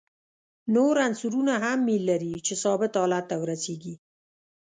نور عنصرونه هم میل لري چې ثابت حالت ته ورسیږي.